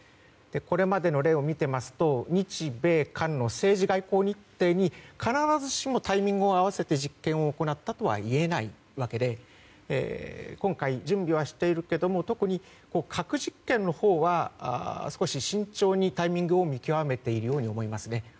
これまでの例を見てみますと日米韓の政治外交日程に必ずしもタイミングを合わせて実験を行ったとはいえないわけで準備は今回しているけれども特に核実験のほうは少し慎重にタイミングを見極めているように思います。